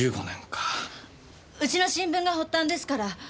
うちの新聞が発端ですから。